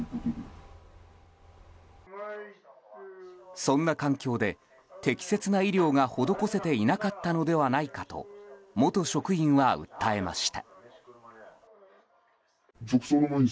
そんな環境で、適切な医療が施せていなかったのではないかと元職員は訴えました。